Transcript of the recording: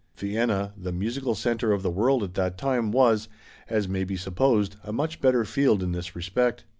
Vienna, the musical center of the world at that time, was, as may be supposed, a much better field in this respect.